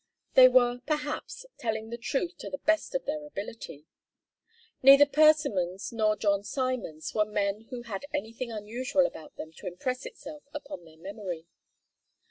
They were, perhaps, telling the truth to the best of their ability. Neither Persimmons nor John Simons were men who had anything unusual about them to impress itself upon their memory.